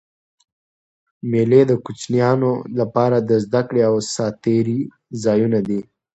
مېلې د کوچنيانو له پاره د زدهکړي او ساتېري ځایونه دي.